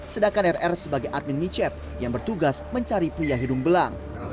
sedangkan rr sebagai admin micet yang bertugas mencari pria hidung belang